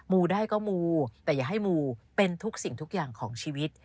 ูได้ก็มูแต่อย่าให้มูเป็นทุกสิ่งทุกอย่างของชีวิต